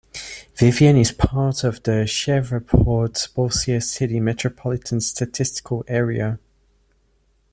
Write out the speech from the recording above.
Vivian is part of the Shreveport-Bossier City Metropolitan Statistical Area.